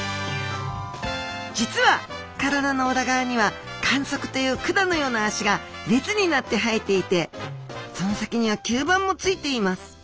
実は体の裏側には管足という管のようなあしが列になって生えていてその先には吸盤もついています。